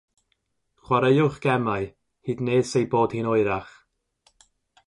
Chwaraewch gemau, hyd nes ei bod hi'n oerach.